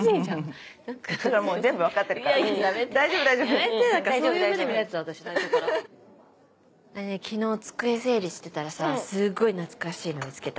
ねぇねぇ昨日机整理してたらさすっごい懐かしいの見つけた。